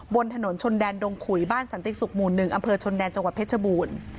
บนถนนชนแดนดงขุยบ้านสันติศุกร์หมู่๑อำเภอชนแดนจังหวัดเพชรบูรณ์